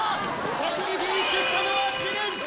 先にフィニッシュしたのは知念。